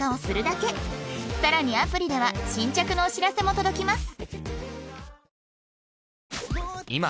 さらにアプリでは新着のお知らせも届きます